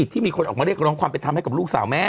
ที่มีคนออกมาเรียกร้องความเป็นธรรมให้กับลูกสาวแม่